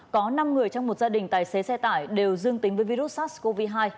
có năm người trong một gia đình tài xế xe tải đều dương tính với virus sars cov hai